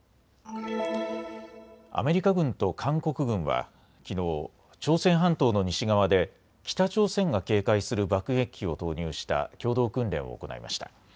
アメリカ軍と韓国軍はきのう朝鮮半島の西側で北朝鮮が警戒する爆撃機を投入した共同訓練を行いました。